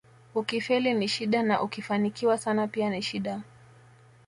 Ukifeli ni shida na ukifanikiwa sana pia ni shida